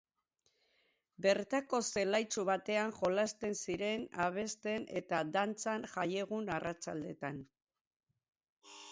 Bertako zelaitxo batean jolasten ziren abesten eta dantzan jaiegun arratsaldeetan.